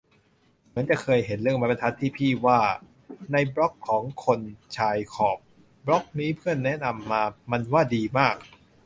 เหมือนจะเคยเห็นเรื่องไม้บรรทัดที่พี่ว่า ในบล็อกของคนชายขอบ บล็อกนี้เพื่อนแนะนำมา มันว่าดีมาก